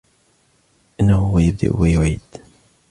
إِنَّهُ هُوَ يُبْدِئُ وَيُعِيدُ